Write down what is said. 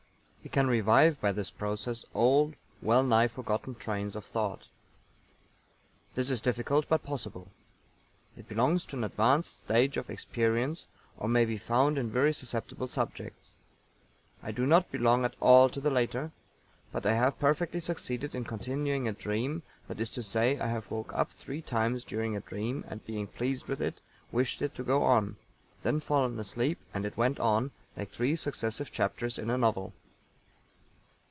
We can revive by this process old well nigh forgotten trains of thought. This is difficult but possible. It belongs to an advanced stage of experience or may be found in very susceptible subjects. I do not belong at all to the latter, but I have perfectly succeeded in continuing a dream; that is to say, I have woke up three times during a dream, and, being pleased with it, wished it to go on, then fallen asleep and it went on, like three successive chapters in a novel.